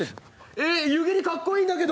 えっ、湯切りかっこいいんだけど